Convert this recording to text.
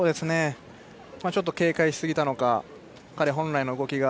ちょっと警戒しすぎたのか彼本来の動きが。